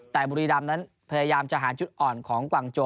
แต่บุรีรำนั้นพยายามจะหาจุดอ่อนของกวางโจ